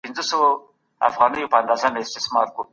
سم نیت خپګان نه راوړي.